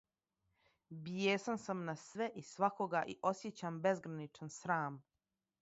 Бијесан сам на све и свакога и осјећам безграничан срам.